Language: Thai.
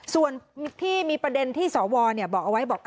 ส่วนที่มีประเด็นที่สวบอกเอาไว้บอก